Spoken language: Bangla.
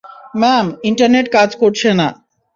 ম্যাম, ইন্টারনেট কাজ করছে না।